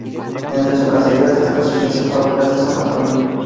De entre su caserío, destaca su iglesia parroquial de San Antolín.